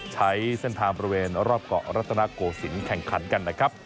ใช้เส้นทางบริเวณรอบเกาะรัตนโกศิลป์แข่งขันกันนะครับ